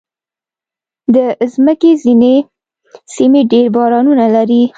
د مځکې ځینې سیمې ډېر بارانونه لري.